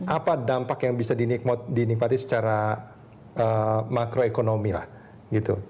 apa dampak yang bisa dinikmati secara makroekonomi lah gitu